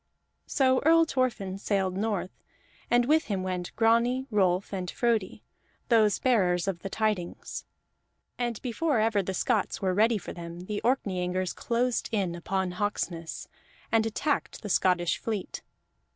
So Earl Thorfinn sailed north, and with him went Grani, Rolf, and Frodi, those bearers of the tidings. And before ever the Scots were ready for them the Orkneyingers closed in upon Hawksness, and attacked the Scottish fleet.